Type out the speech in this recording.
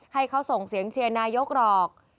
ให้เขาส่งเสียงเชียร์นายกหรอก